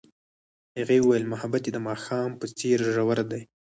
هغې وویل محبت یې د ماښام په څېر ژور دی.